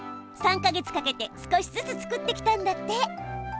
３か月かけて少しずつ作ってきたんだって。